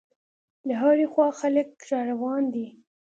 له هرې خوا خلک را روان دي.